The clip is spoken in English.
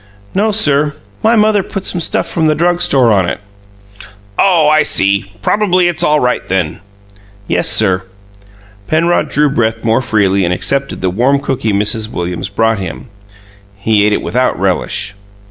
"No, sir. My mother put some stuff from the drug store on it." "Oh, I see. Probably it's all right, then." "Yes, sir." Penrod drew breath more freely, and accepted the warm cookie Mrs. Williams brought him. He ate it without relish.